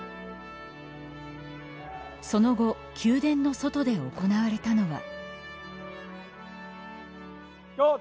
その後宮殿の外で行われたのは。